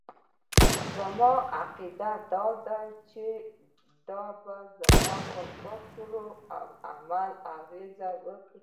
زما عقيده دا ده چې دا به زما پر فکراو عمل اغېز وکړي.